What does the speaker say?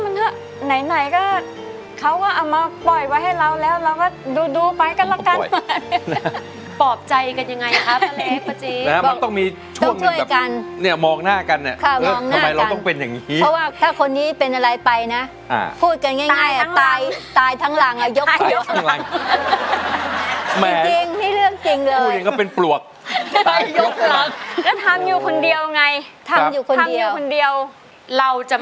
ปลอบใจกันยังไงนะครับป้าเล็กประจิตแล้วมักต้องมีช่วงหนึ่งแบบเนี้ยมองหน้ากันเนี้ยค่ะมองหน้ากันทำไมเราต้องเป็นอย่างงี้เพราะว่าถ้าคนนี้เป็นอะไรไปน่ะอ่าพูดกันง่ายง่ายอ่ะตายตายทั้งหลังอ่ะยกหลังจริงจริงพี่เลือกจริงเลยกูยังก็เป็นปลวกตายยกหลังก็ทำอยู่คนเดียวไงทำอยู่คนเดียวทำอยู่คน